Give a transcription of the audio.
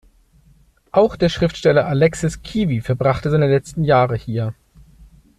Auch der Schriftsteller Aleksis Kivi verbrachte seine letzten Jahre hier.